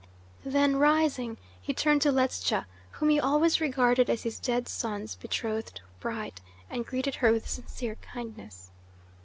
Then, rising, he turned to Ledscha, whom he always regarded as his dead son's betrothed bride, and greeted her with sincere kindness.